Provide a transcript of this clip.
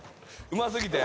うますぎて？